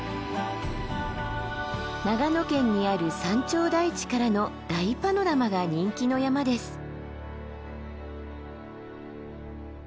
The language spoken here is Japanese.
長野県にある山頂台地からの大パノラマが人気の山です。